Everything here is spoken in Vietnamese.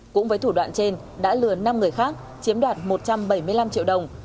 cũng với thủ đoạn trên đã lừa năm người khác chiếm đoạt một trăm bảy mươi năm triệu đồng